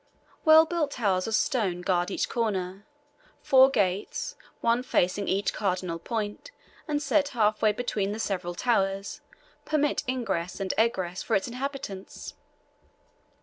Well built towers of stone guard each corner; four gates, one facing each cardinal point, and set half way between the several towers, permit ingress and egress for its inhabitants.